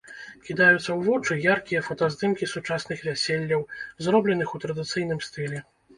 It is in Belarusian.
Кідаюцца ў вочы яркія фотаздымкі сучасных вяселляў, зробленых у традыцыйным стылі.